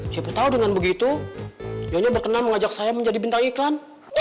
siapa tahu dengan begitu joni berkenan mengajak saya menjadi bintang iklan